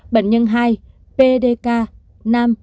bệnh nhân hai pdk nam